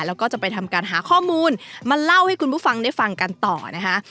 แล้วก็จะไปทำการหาข้อมูลมาเล่าให้คุณผู้ฟังได้ฟังกันต่อนะคะ